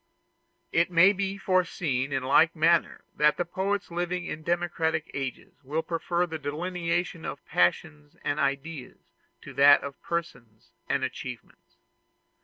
It may be foreseen in the like manner that poets living in democratic ages will prefer the delineation of passions and ideas to that of persons and achievements.